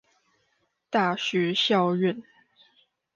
大學校院